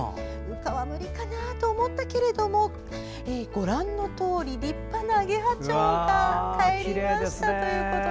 羽化は無理かなと思ったんだけれどもご覧のとおり立派なアゲハチョウがかえりましたと。